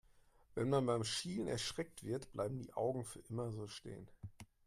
Wenn man beim Schielen erschreckt wird, bleiben die Augen für immer so stehen.